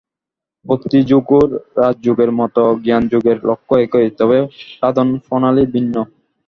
ভক্তিযোগ ও রাজযোগের মত জ্ঞানযোগের লক্ষ্য একই, তবে সাধনপ্রণালী ভিন্ন।